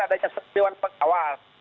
adanya dewan pengawas